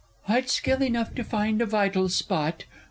_ I'd skill enough to find a vital spot.